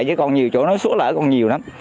chứ còn nhiều chỗ nó xuống lại còn nhiều lắm